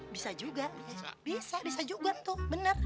bisa juga bisa bisa juga tuh benar